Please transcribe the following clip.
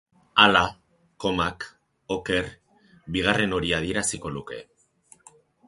Hala, komak, oker, bigarren hori adieraziko luke.